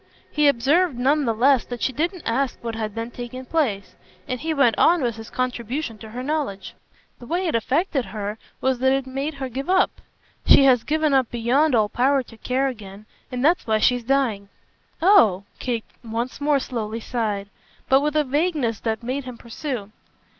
He observed none the less that she didn't ask what had then taken place; and he went on with his contribution to her knowledge. "The way it affected her was that it made her give up. She has given up beyond all power to care again, and that's why she's dying." "Oh!" Kate once more slowly sighed, but with a vagueness that made him pursue.